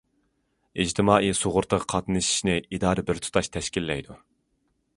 ئىجتىمائىي سۇغۇرتىغا قاتنىشىشنى ئىدارە بىر تۇتاش تەشكىللەيدۇ.